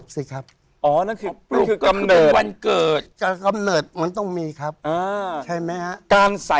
ใส่ฤทธิ์เหมือนกัน